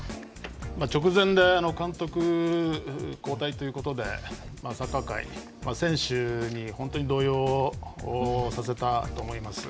直前で監督交代ということでサッカー界選手に動揺させたと思います。